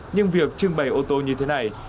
nhưng việc trưng bày ô tô như thế này